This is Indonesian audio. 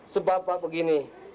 sebab pak begini